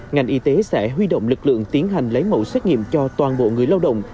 ngành y tế sẽ huy động lực lượng tiến hành lấy mẫu xét nghiệm cho toàn bộ người lao động